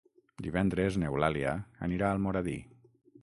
Divendres n'Eulàlia anirà a Almoradí.